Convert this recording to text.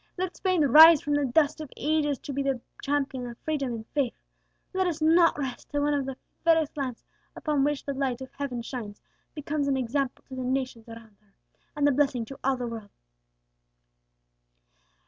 Let Spain rise from the dust of ages to be the champion of freedom and faith. Let us not rest till one of the fairest lands upon which the light of heaven shines becomes an example to the nations around her, and a blessing to all the world!"